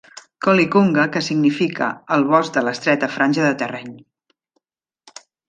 "Coille Cunga" que significa "el bosc de l'estreta franja de terreny".